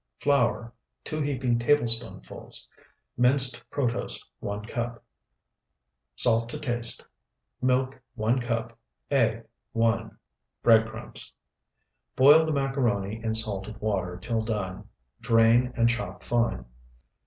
Flour, 2 heaping tablespoonfuls. Minced protose, 1 cup. Salt to taste. Milk, 1 cup. Egg, 1. Bread crumbs. Boil the macaroni in salted water till done, drain, and chop fine.